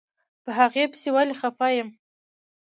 په هغې پسې ولې خپه يم.